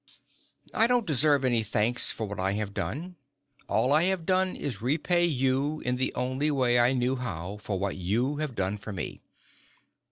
I don't deserve any thanks for what I have done. All I have done is repay you in the only way I knew how for what you have done for me.